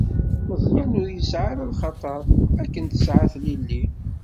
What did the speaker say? Meẓẓyan ur yesɛi ara lxaṭer akken t-tesɛa Tilelli.